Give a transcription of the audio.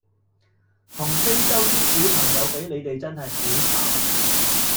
同非洲啲小朋友比你哋真係好慘